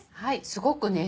すごくね